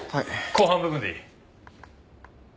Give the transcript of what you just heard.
後半部分でいい。